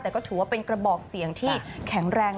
แต่ก็ถือว่าเป็นกระบอกเสียงที่แข็งแรง